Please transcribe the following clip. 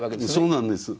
そうなんです。